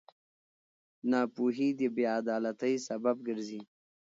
ناپوهي د بېعدالتۍ سبب ګرځي.